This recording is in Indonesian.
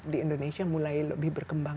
di indonesia mulai lebih berkembang